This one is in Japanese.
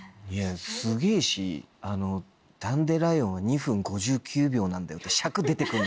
すげぇし『ダンデライオン』は２分５９秒なんだよって。